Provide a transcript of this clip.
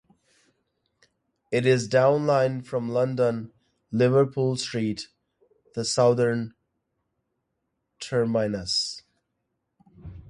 It is down-line from London Liverpool Street, the southern terminus.